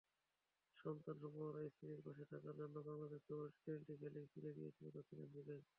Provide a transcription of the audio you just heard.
সন্তানসম্ভবা স্ত্রীর পাশে থাকার জন্য বাংলাদেশ সফরে টি-টোয়েন্টি খেলেই ফিরে গিয়েছিলেন দক্ষিণ আফ্রিকায়।